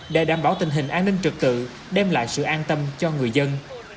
để đảm bảo tình hình an ninh trực tự đem lại sự an tâm cho người dân